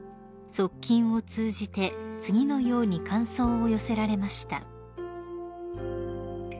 側近を通じて次のように感想を寄せられました］